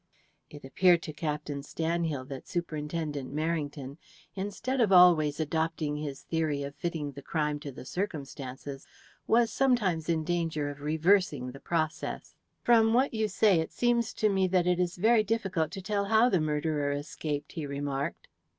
It appeared to Captain Stanhill that Superintendent Merrington, instead of always adopting his theory of fitting the crime to the circumstances, was sometimes in danger of reversing the process. "From what you say it seems to me that it is very difficult to tell how the murderer escaped," he remarked.